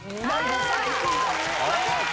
最高！